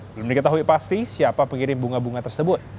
belum diketahui pasti siapa pengirim bunga bunga tersebut